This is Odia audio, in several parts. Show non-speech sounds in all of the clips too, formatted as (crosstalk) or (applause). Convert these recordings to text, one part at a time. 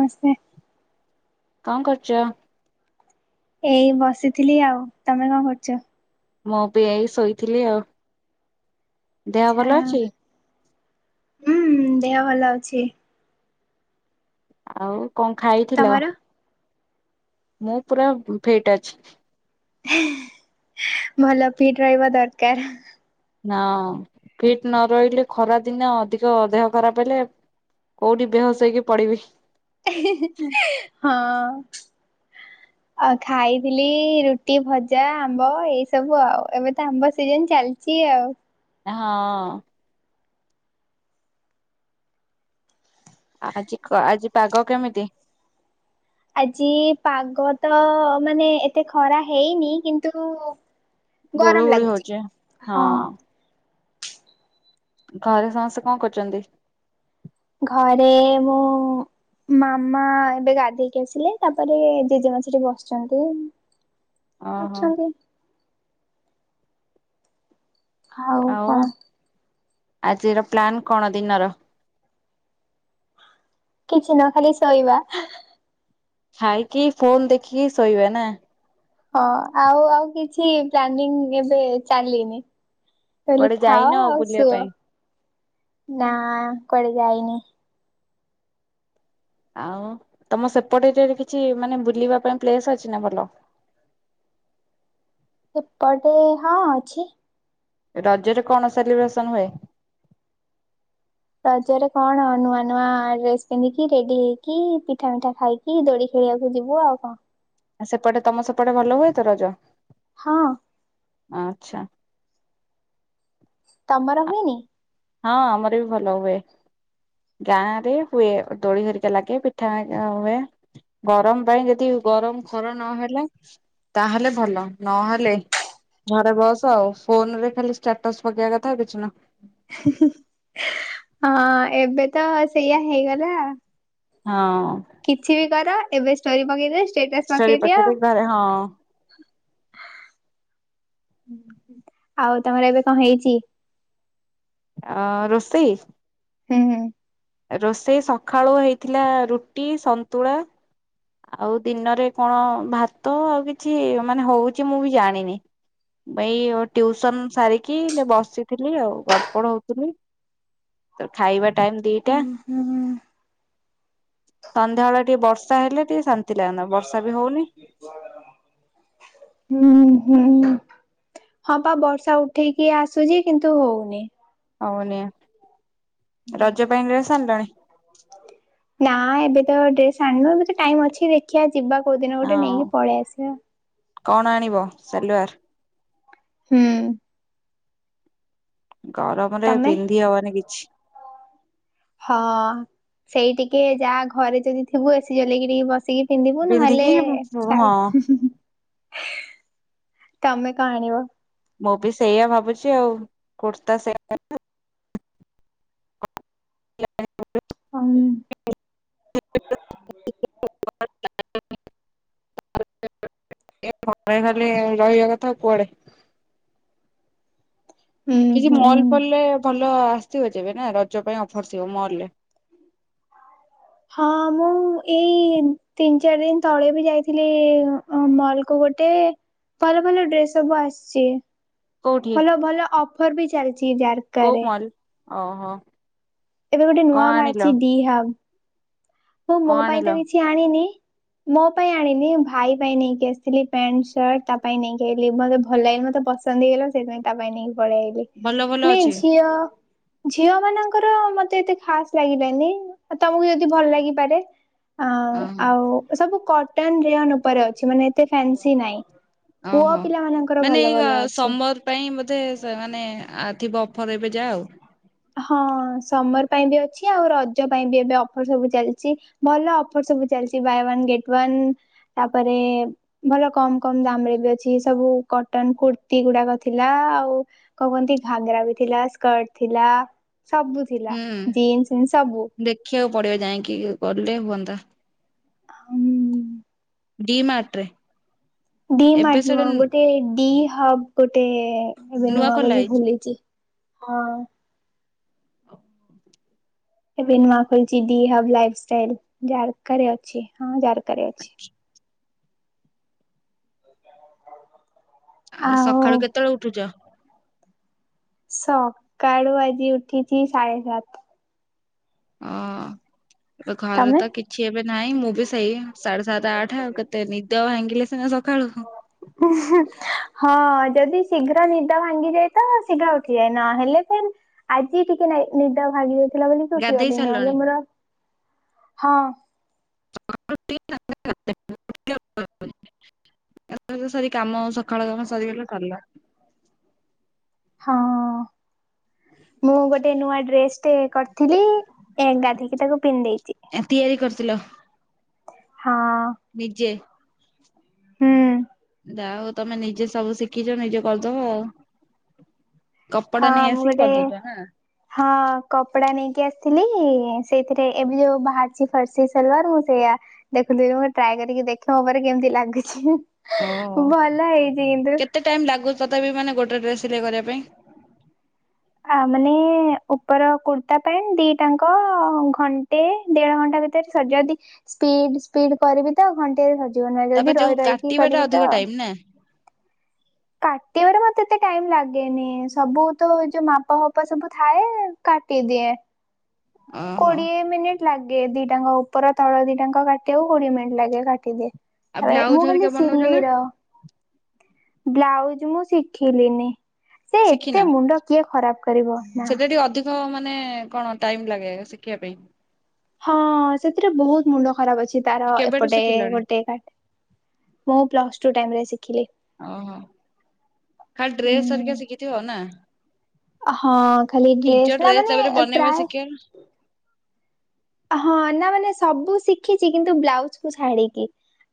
ବସ୍ପେ। କଣ କରୁଚ? ଏଇ ବସିଥିଲି ଆଉ ତମେ କଣ କରୁଚ? ମୁଁ ବି ଏଇ ଶୋଇଥିଲି ଆଉ। ଦେହ ଭଲ ଥାଉ ଅଛି? ହୁଁ ଦେହ ଭଲ ଅଛି। ଆଉ କଣ ଖାଇଥିଲ? ତମର? ମୁଁ ପୁରା ଫିଟ୍ ଅଛି। ଏଁ ଭଲ ଫିଟ୍ ରହିବ ଦରକାର। ନାଁହଁ ଫିଟ ନ ରହିଲେ ଖରାଦିନ ଅଧିକ ଦେହ ଖରାପ ହେଲେ କୋଉଠିଁ ବେହୋସୋ ହେକି ପଡିବି। ହିଁ ହିଁ ହଁ। (inaudible) ଆଉ ଖାଇଥିଲି ରୁଟି ଭଜା ଆମ୍ବ ଏଇ ସବୁ ଆଉ ଏବେ ତ ଆମ୍ବ ସିଜିନି ଚାଲିଚି। ଚି ଆଉ। ହଁ ଅଁ। ଆଜିକ ଆଜି ପାଗ କେମିତି? ଆଜି ପାଗ ତ ମାନେ ଏତେ ଖରା ହେଇନି କିନ୍ତୁ ଗୁଳୁ ଗରମ ଗୁଳି ଲାଗୁଚି ହଉଛି। ହଁ। ଘରେ ସମସ୍ତେ କଣ କରୁଚନ୍ତି? ଘରେ ମୁଁ ମାମା ଏବେ ଗାଧେଇକି ଆସିଲେ ତାପରେ ଜେଜେମା ସେଠି ବସିଚନ୍ତି। ଓହୋ ଅଛନ୍ତି। ଆଉ କଣ? ଆଜିର ପ୍ଲାନ୍ କଣ ଦିନର? କିଛି ନା ଖାଲି ଶୋଇବା ହାଁ। ଖାଇକି ଫୋନ୍ ଦେଖିକି ଶୋଇବା ନାଁ? ହଁ ଆଉ ଆଉ କିଛି ପ୍ଲାନିଂଙ୍ଗି ଏବେ ଚାଲିନି। ଖାଲି କୁଆଡେ ଖାଅ ଯାଇନ ଆଉ ବୁଲିବା ଶୁଅ ପାଇଁ? ନାଁ କୁଆଡେ ଯାଇନି। ଆଉଁ ତମ ସେପଟେ ଏରିଆରେ କିଛି ମାନେ ବୁଲିବା ପାଇଁ ପ୍ଲେସ୍ ଅଛି ନାଁ ଭଲ? ଏପଟେ ହଁ ଅଛି। ରଜରେ କଣ ସେଲିବ୍ରେସନ୍ ହୁଏ? ରଜରେ କଣ ନୂଆ ନୂଆ ଡ୍ରେସ ପିନ୍ଧିକି ରେଡି ହେଇକି ପିଠା ମିଠା ଖାଇକି କି ଦୋଳି ଖେଳିବାକୁ ଯିବୁ ଆଉ କଣ। ଆଉ ସେପଟେ ତମ ସେପଟେ ଭଲ ହୁଏ ତ ରଜ। ହଁ। ଆଚ୍ଛା। ତମର ହୁଏନି? ହଁ ଆମର ବି ଭଲ ହୁଏ। ଗାଁ ରେ ହୁଏ ଦୋଳି ହେରିକା ଲାଗେ ପିଠା ହୁଏ। ଗରମ ପାଇଁ ଯଦି ଗରମ ଖର ନହେଲେ ତାହେଲେ ଭଲ ନହେଲେ ଘରେ ବସ ଆଉ ଫୋନ ରେ ଖାଲି ଷ୍ଟାଟସ୍ ପକେଇବା କଥା କିଛି ନା ହଁ ଏବେ ତ ସେଇଆ ହେଇଗଲା। ହଁ। କିଛି ବି କର ଏବେ ଷ୍ଟୋରି ପକେଇଦିଅ ଷ୍ଟେଟସ ଷ୍ଟୋରି ପକେଇଦିଅ। ପକେଇଦେଇ ଘରେ ହଁ ଆଉ ତମର ଏବେ କଣ ହେଇଛି? ଅ ରୋଷେଇ ହୁଁ-ହୁଁ। ରୋଷେଇ ସକାଳୁ ହେଇଥିଲା ରୁଟି ସନ୍ତୁଳା। ଆଉ ଦିନରେ କଣ ଭାତ ଆଉ କିଛି ମାନେ ହଉଛି ମୁଁ ବି ଜାଣିନି। ଭାଇ ଟିଉସନ ସାରିକି ବସିଥିଲି ଆଉ ଗଡ଼ପଡ଼ ହଉଥିଲି। ତ ଖାଇବା ଟାଇମ ଦିଟା ହୁଁ ହୁଁ ସନ୍ଧ୍ୟାବେଳ ଟିକେ ବର୍ଷା ହେଲେ ଟିକେ ଶାନ୍ତି ଲାଗନ୍ତା ବର୍ଷା ବି ହଉନି। ହୁଁ-ହୁଁ। ହଁ ବା ବର୍ଷା ଉଠେଇକି ଆସୁଛି କିନ୍ତୁ ହଉନି। ହଉନି ରଜ ପାଇଁ ଡ୍ରେସ ଆଣିଲଣି। ନା ଏବେ ତ ଡ୍ରେସ ଆଣନୁ ଏବେ ତ ଟାଇମ ଅଛି ଦେଖିବା ଯିବା କୋଉ ଦିନ ଗୋଟେ ହଁ ନେଇକି ପଳେଇ ଆସିବା। କଣ ଆଣିବ ସାଲୱାର। ହୁଁ। ଗରମରେ ତମେ ପିନ୍ଧି ହବନି କିଛି। ହଁ ସେଇ ଟିକେ ଯାହା ଘରେ ଯଦି ଥିବୁ ଏସି ଚଲେଇକି ଟିକେ ବସିକି ପିନ୍ଧିବୁ ନହଲେ ପିନ୍ଧିକି ହଁ ଛାଡ଼। ତମେ କଣ ଆଣିବ? ମୁଁ ବି ସେଇଆ ଭାବୁଛି ଆଉ କୁର୍ତ୍ତା ସେ ହଁ। (unintelligible) ଖଳିକରହିବା କଥା ଆଉ କୁଆଡେ ହୁଁ କିଛି ହୁଁ ମଲ ଫଲରେ ଭଲ ଆସିଥିବ ଯେବେ ନା ରଜ ପାଇଁ ଅଫର ଥିବ ମଲ ରେ। ହଁ ମୁଁ ଏଇ ତିନି ଚାରି ଦିନ ତଳେ ବି ଯାଇଥିଲି। ମଲ କୁ ଗୋଟେ ଭଲ ଭଲ ଡ୍ରେସ୍ ସବୁ ଆସିଛି। କୋଉଠି ଭଲ ଭଲ ଅଫର ବି ଚାଲିଛି ଯାହାର କଉ ମଲ ଓହୋ। ଏବେ ଗୋଟେ କଣ ନୂଆ ଆଣିଲ ବାହାରଛି ଡି ହାବ। ମୁଁ ମୋ କଣ ପାଇଁ ଆଣିଲ? ତ କିଛି ଆଣିନି। ମୋ ପାଇଁ ଆଣିନି ଭାଇ ପାଇଁ ନେଇକି ଆସିଥିଲି ପ୍ୟାଣ୍ଟ ସାର୍ଟ ତା ପାଇଁ ନେଇକି ଆଇଲି ମତେ ଭଲ ଲାଗେ ମତେ ପସ ପସନ୍ଦ ହେଇଗଲା ସେଥିପାଇଁ ତା ପାଇଁ ନେଇକି ପଳେଇ ଆଇଲି ଭଲ ଭଲ ମାନେ ଅଛି ଝିଅ ଝିଅ ମାନଙ୍କର ମତେ ଏତେ ଖାସ ଲାଗିଲନି ଆଉ ତମକୁ ଯଦି ଭଲ ଲାଗିପାରେ। ଓହୋ ଆଉ ସବୁ କଟନ ରେଅନ ଉପରେ ଅଛି ମାନେ ଏତେ ଫ୍ୟାନସି ନାଇଁ। ପୁଅ ଓହୋ। ପିଲା ମାନଙ୍କର ମାନେ ଭଲ ଏଇ ଭଲ ଅଛି। ସମର ପାଇଁ ବୋଧେ ସେମାନେ ଥିବ ଅଫର ଏବେ ଯା ଆ ହଁ ସମର ପାଇଁ ବି ଅଛି ଆଉ ରଜ ପାଇଁ ବି ଏବେ ଅଫର ସବୁ ଚାଲିଛି। ଭଲ ଅପର ସବୁ ଚାଲିଛି ବାଇ ଅନ ଗେଟ ଅନ ତାପରେ ଭଲ କମ କମ ଦାମ ରେ ବି ଅଛି ସବୁ କଟନ କୁର୍ତି ଗୁଡାକ ଥିଲା ଆଉ କଣ କୁହନ୍ତି ଘାଗରା ବି ଥିଲା ସ୍କର୍ଟ ଥିଲା ସବୁ ଥିଲା ହୁଁ ଜିନ୍ସ ଫିନ୍ସ ସବୁ। ଦେଖିବାକୁ ପଡିବ ଯାଇକି ଗଲେ ହୁଅନ୍ତା। ହମ୍। ଡି ମାଟରେ। ଡି ମାଟ ନୁହଁ ଗୋଟେ ଡି ହବ ଗୋଟେ ଏବେ ନୂଆ ନୂଆଁ ଖୋଲା ବୋଲି ହେଇଛି ଖୋଲିଚି। ହଁ। ଏବେ ନୂଆ ଖୋଲଛି ଡି ହବ ଲାଇପ ଷ୍ଟାଇଲ ଜାରକାରେ ଅଛି ହଁ ଜାରକାରେ ଅଛି। (inaudible) ଆଉ ସକାଳୁ କେତେବେଳେ ଉଠୁଛ? ସକାଳୁ ଆଜି ଉଠିଛି ସାଢେ ସାତ। ଓ ଘରେ ତମେ? ତ କିଛି ଏବେ ନାହିଁ ମୁଁ ବି ସେଇ ସାଢେ ସାତ ଆଠ ଆଉ କେ ତେ ନିଦ ଭାଙ୍ଗିଲେ ସିନା ସକାଳୁ ହଁ ଯଦି ଶୀଘ୍ର ନିଦ ଭାଙ୍ଗିଯାଏ ତ ଶୀଘ୍ର ଉଠିଯାଏ ନ ହେଲେ ଫେର ଆଜି ଟିକେ ନାଇଁ ନିଦ ଭାଗି ଯାଇଥିଲା ବୋଲିିକ ଗାଧେଇ ଉଠିଗଲି ସାରିଲଣି? ନହେଲେ ମୋର ହଁ। (unintelligible) (unintelligible) ସରି କାମ ସକାଳ କାମ ସରିଗଲେ ସରଲା ହଁ ମୁଁ ଗୋଟେ ନୂଆ ଡ୍ରେସ ଟ କରିଥିଲି ଏ ଗାଧଇକି ତାକୁ ପିନ୍ଧ ଦେଇେଛି। ଏ ତିଆରି କରିଥିଲ? ହଁ। ନିଜେ? ହୁଁ। ଯା ହଉ ତମେ ନିଜେ ସବୁ ଶିଖିଛ ନିଜେ କରିଦବ ଆଉ। କପଦା ହଁ ନେଇ ମୁଁ ଆସି ଗୋଟେ କରଦଉଛ ନା? ହଁ କପଡା ନେଇକି ଆସିଥିଲି ସେଇଥିରେ ଏବେ ଯୋଉ ବାହାରିଛି ଫର୍ସି ସଲୱାର ମୁଁ ସେଇଆ ଦେଖୁୁଥିଲି ଟ୍ରାଏ କରିକି ଦେଖେ ମୋ ଉପରେ କେମିତି ଲାଗୁଛି ଭଲ ହେଇଛି କିନ୍ତୁ। ଟାଇମ୍ ଲାଗୁ ତଥାପି ମାନେ ଗୋଟିଏ ଡ୍ରେସ୍ ସିଲେଇା କରିବା ପାଇଁ? ଆ ମାନେ ଉପର କୁର୍ତ୍ତା ପ୍ୟାଣ୍ଟ ଦିଟାଙ୍କ ଘଣ୍ଟେ ଦେଢ ଘଣ୍ଟା ଭିତରେ ସର୍ଜୀବ ଯଦି ସ୍ପିଡ ସ୍ପିଡ କରିବି ତ ଘଣ୍ଟରେ ସଜିବ ନାହଁ ଯଦି ତାପରେ ଯୋଉ ରହି ରହିକି କାଟିବା ଟା କରିବି ଅଧିକ ତ ଟାଇମ ନା କାଟିବାରେ ମତେ ଏତେ ଟାଇମ ଲାଗେନି ସବୁ ତ ଯୋଉ ମାପ ଫାପ ସବୁ ଥାଏ କାଟି ଦିଆ ଓହୋ କୋଡ଼ିଏ ମିନିଟ ଲାଗ ଦିଏ ଦିଟାଙ୍କ ଉପର ତଳ ଦିଟାଙ୍କ କାଟିବାକୁ କୋଡିଏ ମିନିଟ ଲାଗେ କାଟିଦିଏ। ଆଉ ଥାଏ ବ୍ଲାଉଜ ମୁଁ ହରିକା ଖାଲି ବନଉଛ ସିଲେଇ ନା? ର ବ୍ଲାଉଜ ମୁଁ ଶିଖିଲିନି ସେ ଶିଖିନ ଏତେ ମୁଣ୍ଡ କିଏ ଖରାପ କରିବ ନା। ଜୋ ମାନେ କଣ ଟାଇମ ଲାଗେ ଶିଖିବା ପାଇଁ? ହଁ ସେଥିରେ ବହୁତ ମୁଣ୍ଡ ଖରାପ ଅଛି ତାର କେବେଠୁ ଏପଟେ ଶିଖିଲଣି ଗୋଟେ କାଟ୍ ମୁଁ ପ୍ଲସ ଟୁ ଟାଇମରେ ଶିଖିଲି। ଓହୋ ଖାଲି ଡ୍ରେସ୍ ହରିକା ଶିଖିଥିବ ନା? ହଁ ଖାଲି ନିଜ ନା ଡ୍ରେସ ମାନେ ତାପରେ ବନେଇବା ପ୍ରାୟ ଶିଖିବ ନା। ହଁ ନା ମାନେ ସବୁ ଶିଖିଛି କିନ୍ତୁ ବ୍ଲାଉଜ କୁ ଛାଡିକି।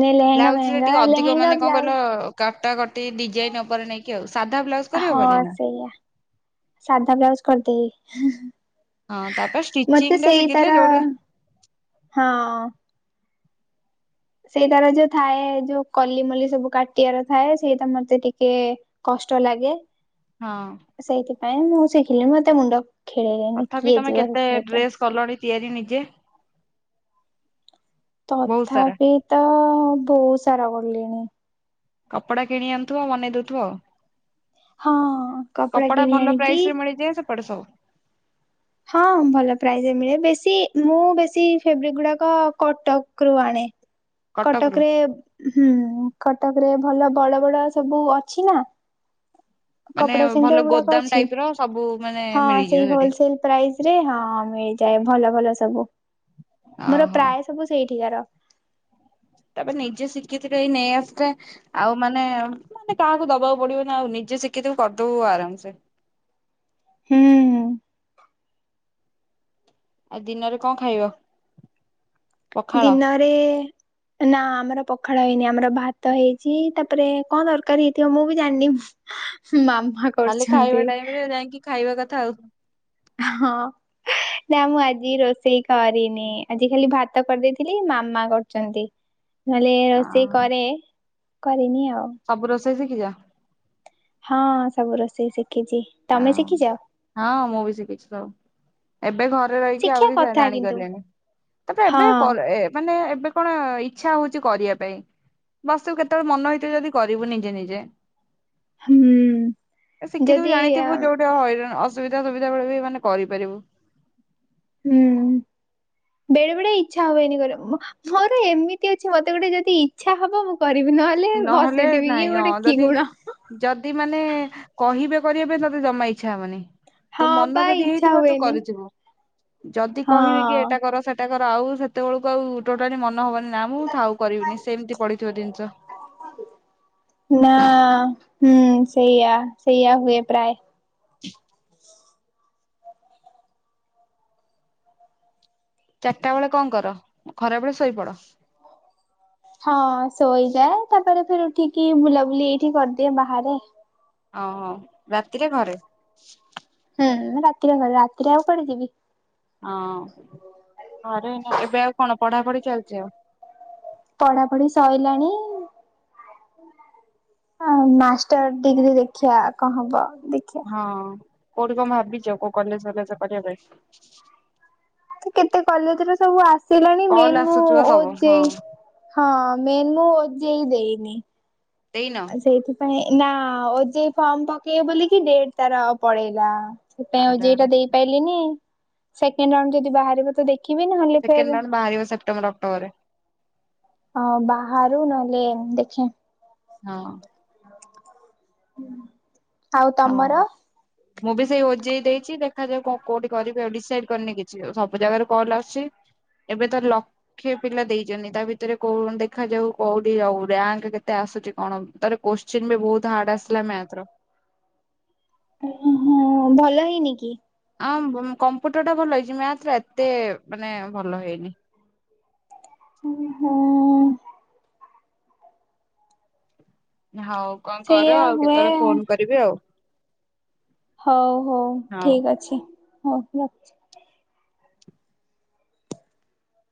ନେ ଲେହେଙ୍ଗା ମହେଙ୍ଗା ଲେହେଙ୍ଗା ବ୍ଲାଉଜ କଟାକଟି ଡିଜାଇନ ଉପରେ ନେଇକି ଆଉ ସାଧା ବ୍ଲାଉଜ ହଁ କରିହବନି ନା? ସେଇଆ ସାଧା ବ୍ଲାଉଜ କରିଦେଇବି ହଁ ତାପରେ ଷ୍ଟିଚିଙ୍ଗ୍ ଟା ଶିଖିଥିଲେ ଯୋଉଠି ହଁ। ସେଇଟାରେ ଯୋଉ ଥାଏ ଯୋଉ କଲିମଲି ସବୁ କାଟିବାର ଥାଏ ସେଇଟା ମତେ ଟିକେ କଷ୍ଟ ଲାଗେ। ହଁ। ସେଇଥିପାଇଁ ମୁଁ ଶିଖିଲି ମତେ ମୁଣ୍ଡ ଖେଳେଇଲେନି ତଥାପି କିଏ ତମେ ଯିବ କେତେ ସେଥିରେ ତ ଡ୍ରେସ୍ କଲଣି ତିଆରି ନିଜେ। ବହୁତ ସାରା ତଥାପି ତ ବହୁତ୍ ସାରା ଗଲେଣି। କପଡା କିଣି ଆଣୁଥିବ ଆଉ ବନେଇ ଦଉଥିବ ଆଉ। ହଁ କପଡା କିଣି ଭଲ ଆଣିକି ପ୍ରାଇସ ରେ ମିଳିଯାଏ ସେପଟେ ସବୁ। ହଁ ଭଲ ପ୍ରାଇଜରେ ମିଳେ ବେଶୀ ମୁଁ ବେଶୀ ଫେବ୍ରିକ୍ ଗୁଡାକ କଟକ ରୁ ଆଣେ। କଟକରୁ କଟକରେ ହୁଁ କଟକରେ ଭଲ ବଡ ବଡ ସବୁ ଅଛି ନା। ମାନେ କପଡା ଭଲ ସେଣ୍ଟର ଗୁଡାକ ଗୋଦାମ ଅଛି ଟାଇପ୍ ର ସବୁ ମାନେ ହଁ ମିଳିଯିବ ସେଇ ସେଠି ହୋଲସେଲ୍ ପ୍ରାଇଜିରେ ହଁ ମିଳିଯାଏ ଭଲ ଭଲ ସବୁ ମୋର ଓହୋ ପ୍ରାୟ ସବୁ ସେଇଠିକାର। ତାପରେ ନିଜେ ଶିଖିଥିଲେ ଏଇ ନେଇ ଆସେ। ଆଉ ମାନେ ମାନେ କାହାକୁ ଦବାକୁ ପଡିବ ନା ଆଉ ନିଜେ ଶିଖିିତକୁ କରିଦଉ ଆରାମସେ। ହୁଁ ହୁଁ। ଆଉ ଦିନରେ କଣ ଖାଇବ। ପଖାଳ ଦିନରେ ନା ଆମର ପଖାଳ ହେଇନି ଆମର ଭାତ ହେଇଛି ତାପରେ କଣ ତରକାରି ହେଇଥିବ ମୁଁ ବି ଜାଣିନି। ମାମା କ ଖାଲି ଖାଇବା ଟାଇମି ରେ ଯାଇକି ଖାଇବା କଥା ଆଉ। ହଁ। ନା ମୁଁ ଆଜି ରୋଷେଇ କରିନି ଆଜି ଖାଲି ଭାତ କରିଦେଇଥିଲି ମାମା କରୁଚନ୍ତି। ହ (unintelligible) ନହେଲେ ରୋଷେଇ କରେ କରିନି ଆଉ। ସବୁ ରୋଷେଇ ଶିଖିଛ। ହଁ ସବୁ ରୋଷେଇ ଶିଖିଛି। ଯା ତମେ ହୋଉ ଶିଖିଛ ହଁ ମୁଁ ବି ଶିଖିଛି ସବ୍। ଏବେ ଘରେ ରହିକି ଶିଖିବା ଆହୁରି ଜା କଥା କିନ୍ତୁ ଜାଣିଗଲେଣି ତାପରେ ହଁ ଏବେ କରେ ମାନେ ଏବେ କଣ ଇଚ୍ଛା ହଉଛି କରିବା ପାଇଁ ବସୁ କେତେବେଳେ ମନ ହେଇଥିବ ଯଦି କରିବୁ ନିଜେ ନିଜେ। ହୁଁ ଏ ଶିଖିଥିବୁ ଯଦି ଜାଣି ଏପଟେ ହଇରାଣ ଅସୁବିଧା ସୁବିଧା ବେଳେ ବି ମାନେ କରିପାରିବୁ। ହୁଁ ବେଳେ ବେଳେ ଇଛା ହୁଏନି କରିବାକୁ। ଥରେ ଏମିତିଆ ଝିଅ ମତେ ଗୋଟେ ଯଦି ଇଚ୍ଛା ହବ ମୁଁ କରିବି ନହଲେ ହେଲେ ନହେଲେ ବସିଥିବି ନାଇଁ ଇଏ ଗୋଟେ ହଁ କି ଯଦି ଗୁଣ। ଯଦି ମାନେ କହିବେ କରିବା ପାଇଁ ତତେ ଜମା ଇଚ୍ଛା ହବନି। ତୋ ହଁ ମନ ପା ଯଦି ଇଚ୍ଛା ହେଇଥିବା ତୁ ହୁଏନି କରିଥିବୁ। ଯଦି କହିବି କି ହଁ ଏଟା କର ସେଟା କର ଆଉ ସେତେବେଳକୁ ଆଉ ଟୋଟାଲି ମନ ହବନି। ନାଁ ମୁଁ ଥାଉ କରିବିନି ସେମିତି ପଡିଥିବ ଜିନିଷ। ନାଁ ହୁଁ ସେଇଆା ସେଇଆ ହୁଏ ପ୍ରାୟ। ଚି। ଚାରିଟା ବେଳେ କଣ କର ଖରା ବେଳେ ଶୋଇପଡ। ହଁ ଶୋଇଯାଏ ତାପରେ ଫିରି ଉଠିକି ବୁଲାବୁଲି ଏଇଠି କରିଦିଏ ବାହାରେ। ଅ ହଁ ରାତିରେ ଘରେ? ହୁଁ ରାତିରେ ଘରେ ରାତିରେ ଆଉ କୁଆଡେ ଯିବି? ହଁ ଘରେ ନାଁ ଏବେ ଆଉ କଣ ପଢାପଢି ଚାଲିଛି ଆଉ? ପଢା ପଢି ସଇଲାଣି ଆଉ ମାଷ୍ଟର ଡିଗ୍ରୀ ଦେଖିବା କଣ ହବ ଦେଖିବା ହଁ କୋଉଠି କଣ ଭାବିଛ କୋଉ କଲେଜ ଫଲେଜ ପଢିବା ପାଇଁ? କେତେ କଲେଜରେ ସବୁ ଆସିଲାଣି କଲ ମେନ ମୁଁ ଆସୁଛି ବା ସବୁ ହଁ ଓଯେଇ ହଁ ମେନୁ ଓଯେଇ ଦେଇନି ଦେଇନ? ଆଉ ସେଇଥିପାଇଁ ନାଁ ଓଯେଇ ଫର୍ମ ପକେଇବୋଲିକି ଡେଟ ତାର ପଳେଇଲା ସେଥିପାଇଁ ଆରେ ଓଯେଇ ଆରେ ଦେଇପାରିଲିିନି ସେକେଣ୍ଡ ରାଉଣ୍ଡ ଯଦି ବାହାରିବ ତ ଦେଖିବି ନ ହେଲେ ସେକେଣ୍ଡ ରାଉଣ୍ଡ ବାହାରିବ ସେ୍ଟେବର ଅକ୍ଟୋବରରେ ହଁ ବାହାରୁ ନହେଲେ ଦେଖେ ହଁ। ଆଉ ହଉ। ତମର? (inaudible) ମୁଁ ବି ସେଇ ଓଜେଇ ଦେଇଛି ଦେଖାଯାଉ କଣ କୋଉଠି କରିବି ଆଉ ଡିସାଇଡ କରିନି କିଛି ଆଉ ସବୁ ଜାଗାରୁ କଲ ଆସୁଛି ଏବେ ତ ଲକ୍ଷେ ପିଲା ଦେଇଛନ୍ତି ତା ଭିତରେ କୋ ଦେଖାଯାଉ କୋଉଠି ଯଉ ରାଙ୍କ କେତେ ଆସୁଛି କଣ ତାର କୋଶ୍ଚିନ୍ ବି ବହୁତ ହାର୍ଡ ଆସିଲା ମାଥ ର ଓ ହଁ ଭଲ ହେଇନି କି? ଆଁ କମ୍ପୁଟର ଟା ଭଲ ହେଇଛି ମ୍ୟାଥ ଟା ଏତେ ମାନେ ଭଲ ହେଇନି। ହୁଁ ହୁଁ। ହଉ କଣ କର ସେଇଆ ଆଉ ହୁଏ। କେତେବେଳେ ଫୋନ କରିବି ଆଉ। ହଉ ହଉ ଠିକ ଅଛି ହଉ ରଖୁଛି।